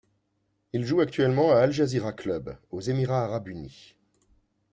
Il joue actuellement à Al-Jazira Club, aux Émirats Arabes Unis.